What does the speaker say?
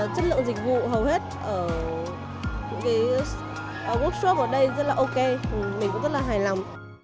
chất lượng dịch vụ hầu hết ở workshop ở đây rất là ok mình cũng rất là hài lòng